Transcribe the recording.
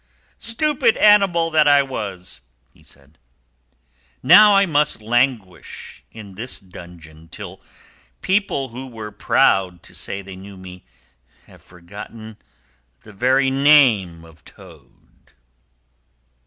"Stupid animal that I was" (he said), "now I must languish in this dungeon, till people who were proud to say they knew me, have forgotten the very name of Toad!